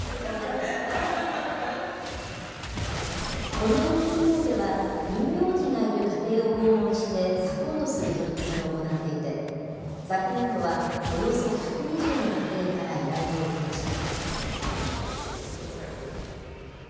このＮＰＯでは乳幼児がいる家庭を訪問してサポートする取り組みを行っていて昨年度はおよそ１２０の家庭から依頼を受けました。